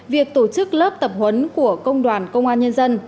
việc tổ chức lớp tập huấn của công đoàn công an nhân dân